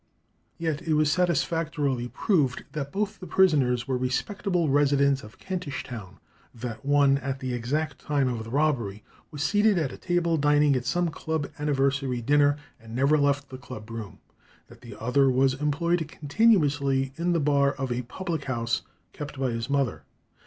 Yet it was satisfactorily proved that both the prisoners were respectable residents of Kentish town; that one, at the exact time of the robbery, was seated at table dining at some club anniversary dinner, and never left the club room; that the other was employed continuously in the bar of a public house kept by his mother.